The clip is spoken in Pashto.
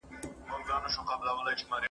زه به ليکلي پاڼي ترتيب کړي وي،